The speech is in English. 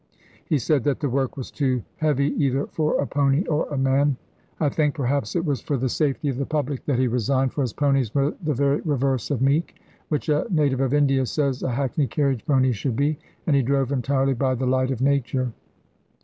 He said that the work was too heavy either for a pony or a man. I think, perhaps, it was for the safety of the public that he resigned, for his ponies were the very reverse of meek which a native of India says a hackney carriage pony should be and he drove entirely by the light of Nature.